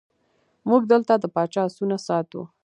موږ دلته د پاچا آسونه ساتو.